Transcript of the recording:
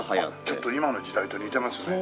ちょっと今の時代と似てますね。